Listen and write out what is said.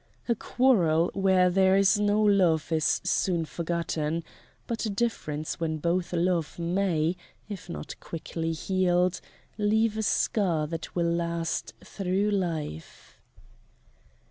"A quarrel where there is no love is soon forgotten, but a difference when both love may, if not quickly healed, leave a scar that will last through life."